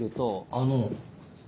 あの。